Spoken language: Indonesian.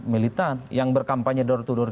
militan yang berkampanye door to door